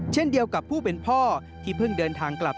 เช่นเดียวกับผู้เป็นพ่อที่เพิ่งเดินทางกลับ